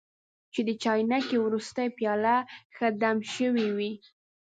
چې د چاینکې وروستۍ پیاله ښه دم شوې وي.